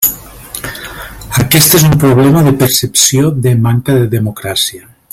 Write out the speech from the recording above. Aquest és un problema de percepció de manca de democràcia.